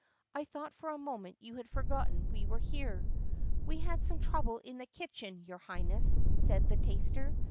"I thought for a moment you had forgotten we were here." "We had some trouble in the kitchen, your Highness," said the taster.